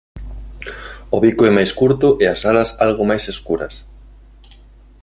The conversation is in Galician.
O bico é máis curto e as alas algo máis escuras.